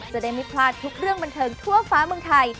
จะได้ไม่พลาดทุกเรื่องบันเทิงทั่วฟ้าเมืองไทย